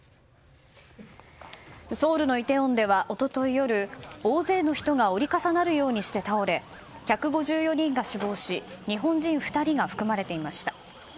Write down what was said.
ソウルのイテウォンでは一昨日夜大勢の人が折り重なるようにして倒れ１５４人が死亡し日本人２人が含まれていました。